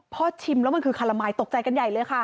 พอชิมแล้วมันคือคาละมายตกใจกันใหญ่เลยค่ะ